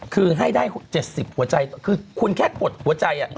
คือให้ได้๗๐หัวใจคือคุณแค่กดหัวใจ